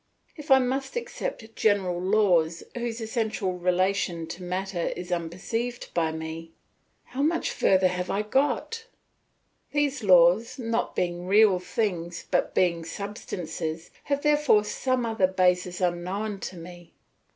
If I must accept general laws whose essential relation to matter is unperceived by me, how much further have I got? These laws, not being real things, not being substances, have therefore some other basis unknown to me.